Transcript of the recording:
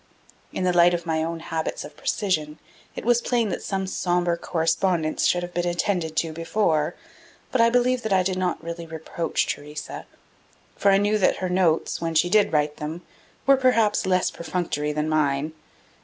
In the light of my own habits of precision it was plain that that sombre correspondence should have been attended to before; but I believe that I did not really reproach Theresa, for I knew that her notes, when she did write them, were perhaps less perfunctory than mine.